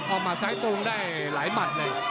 ออกมาซ้ายปวงได้หลายหมัดเลย